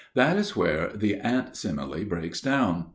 That is where the ant simile breaks down.